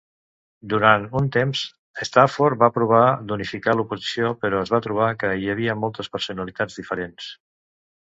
Durant un temps, Stafford va provar d'unificar l'oposició, però es va trobar que hi havia moltes personalitats diferents.